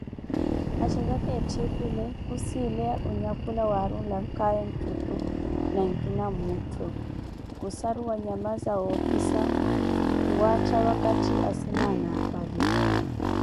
Axhezaka etthipile, khusileya onyakhula waarulankhale ntthutto na nkina mmuttho, khusaruwa nyama zawoopisa khuwattha vakatthi asimaana apale.